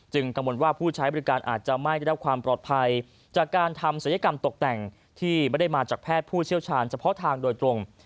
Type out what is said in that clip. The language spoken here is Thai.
กังวลว่าผู้ใช้บริการอาจจะไม่ได้รับความปลอดภัยจากการทำศัลยกรรมตกแต่งที่ไม่ได้มาจากแพทย์ผู้เชี่ยวชาญเฉพาะทางโดยตรง